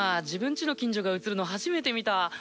自分ちの近所が映るの初めて見た。